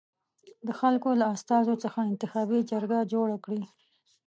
د خلکو له استازیو څخه انتخابي جرګه جوړه کړي.